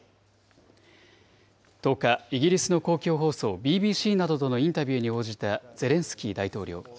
１０日、イギリスの公共放送ＢＢＣなどとのインタビューに応じたゼレンスキー大統領。